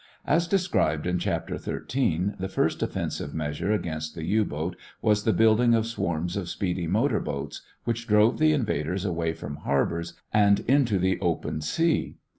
As described in Chapter XIII, the first offensive measure against the U boat was the building of swarms of speedy motor boats which drove the invaders away from harbors and into the open sea.